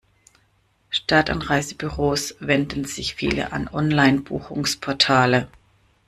Statt an Reisebüros wenden sich viele an Online-Buchungsportale.